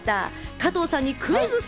加藤さんにクイズッス。